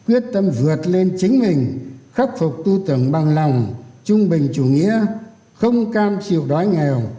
quyết tâm vượt lên chính mình khắc phục tư tưởng bằng lòng trung bình chủ nghĩa không cam chịu đói nghèo